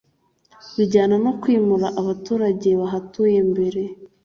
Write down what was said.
bijyana no kwimura abaturage bahatuye mbere